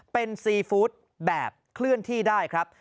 เป็นซีฟู้ดแบบเคลื่อนที่ได้ครับ